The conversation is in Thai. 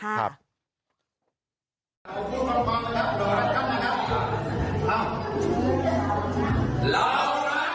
เรารักกัน